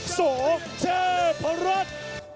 ส่อเทพรัฐ